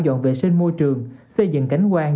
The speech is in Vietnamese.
dọn vệ sinh môi trường xây dựng cánh quang